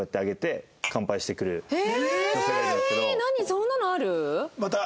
そんなのある？